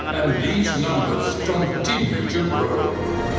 dan ini akan terus berkembang